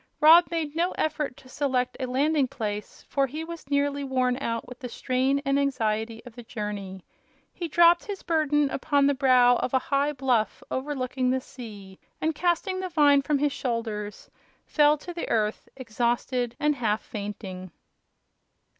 Rob made no effort to select a landing place, for he was nearly worn out with a strain and anxiety of the journey. He dropped his burden upon the brow of a high bluff overlooking the sea and, casting the vine from his shoulders, fell to the earth exhausted and half fainting.